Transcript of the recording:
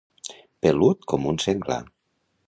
Pelut com un senglar.